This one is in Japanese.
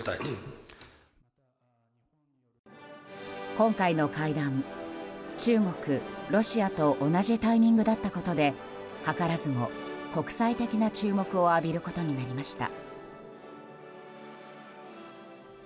今回の会談、中国・ロシアと同じタイミングだったことで図らずも国際的な注目を浴びることになりました。